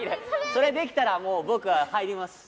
それできたら僕は入ります。